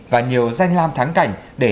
và nhiều danh lam tháng cảnh để